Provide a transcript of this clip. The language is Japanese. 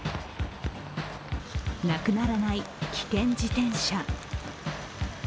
なくならない危険自転車。